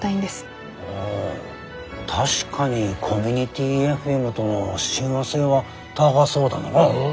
ああ確かにコミュニティＦＭどの親和性は高そうだな。